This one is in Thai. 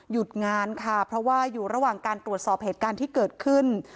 หยุดงานค่ะเพราะว่าอยู่ระหว่างการตรวจสอบเหตุการณ์ที่เกิดขึ้น